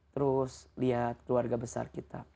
terus lihat keluarga besar kita